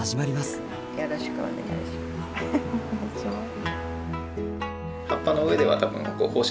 よろしくお願いします。